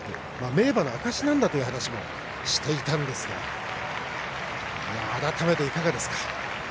名馬の証しなんだという話もしていたんですが改めて、いかがですか？